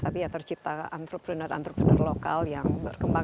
tapi ya tercipta entrepreneur entrepreneur lokal yang berkembang